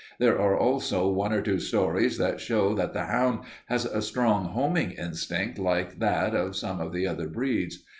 There are also one or two stories that show that the hound has a strong homing instinct like that of some of the other breeds.